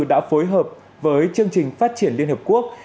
đã phối hợp với chương trình phát triển liên hợp quốc